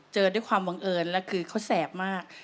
เจอด้วยความบังเอิญแล้วคือเขาแสบมาก